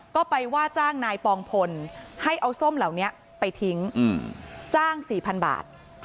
ก็ไปว่าจ้างนายปองพลให้เอาส้มเหล่านี้ไปทิ้งจ้าง๔๐๐๐บาท